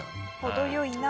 程よいな。